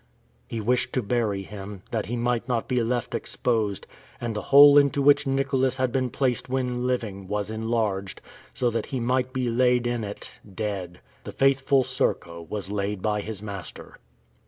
He wished to bury him, that he might not be left exposed; and the hole into which Nicholas had been placed when living, was enlarged, so that he might be laid in it dead! The faithful Serko was laid by his master.